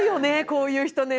こういう人ね